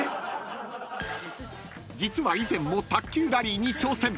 ［実は以前も卓球ラリーに挑戦］